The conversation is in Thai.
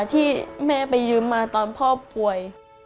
ที่แม่ไปยืมมาตอนพ่อป่วย